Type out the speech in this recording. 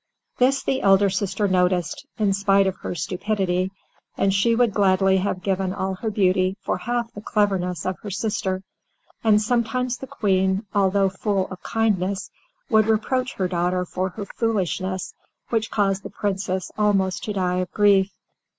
This the elder sister noticed, in spite of her stupidity, and she would gladly have given all her beauty for half the cleverness of her sister, and sometimes the Queen, although full of kindness, would reproach her daughter for her foolishness, which caused the Princess almost to die of grief.